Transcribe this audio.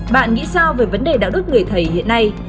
bạn nghĩ sao về vấn đề đạo đức người thầy hiện nay